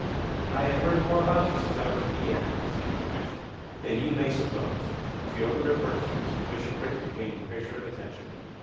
"I have heard more about you, since I was at the inn," proceeded Blanche, "than you may suppose." (She opened her purse: Mr. Bishopriggs became the picture of attention.)